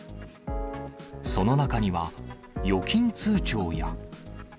その中には、預金通帳や。